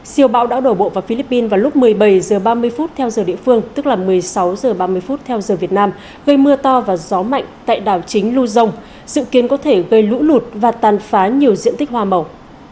siêu bão đã đổ bộ vào philippines vào lúc một mươi bảy h ba mươi theo giờ địa phương tức là một mươi sáu h ba mươi theo giờ việt nam gây mưa to và gió mạnh tại đảo chính luzon dự kiến có thể gây lũ lụt và tàn phá nhiều diện tích hoa màu